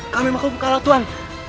kami mengaku kalah tuhan